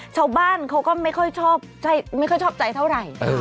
ชาวบ้านเค้าก็ไม่ค่อยชอบใจเท่าไหร่